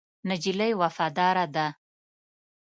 نجلۍ وفاداره ده.